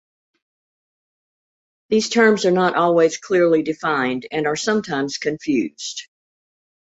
These terms are not always clearly defined, and are sometimes confused.